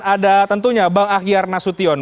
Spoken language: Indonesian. ada tentunya bang ahyar nasution